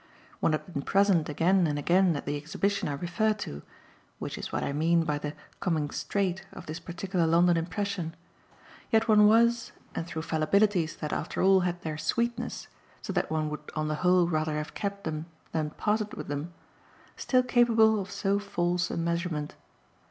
One had been present again and again at the exhibition I refer to which is what I mean by the "coming straight" of this particular London impression; yet one was (and through fallibilities that after all had their sweetness, so that one would on the whole rather have kept them than parted with them) still capable of so false a measurement.